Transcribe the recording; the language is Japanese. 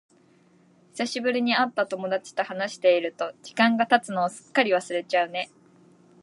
久しぶりに会った友達と話していると、時間が経つのをすっかり忘れちゃうね。